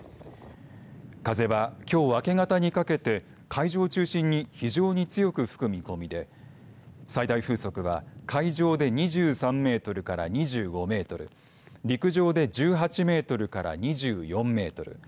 風は、きょう明け方にかけて海上を中心に非常に強く吹く見込みで最大風速は海上で２３メートルから２５メートル陸上で１８メートルから２４メートル